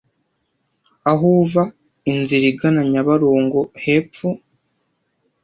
Aho uva inzira igana Nyabarongo hepfo,